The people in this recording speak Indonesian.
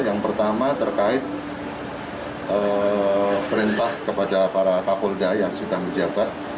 yang pertama terkait perintah kepada para kapolda yang sudah menjabat